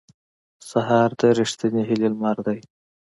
سهار د رښتینې هیلې لمر دی.